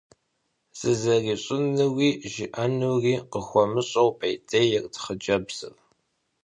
Зэрызищӏынури жиӏэнури къыхуэмыщӏэу, пӏейтейт хъыджэбзыр.